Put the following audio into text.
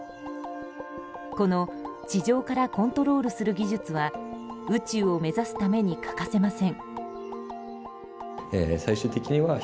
この、地上からコントロールする技術は宇宙を目指すために欠かせません。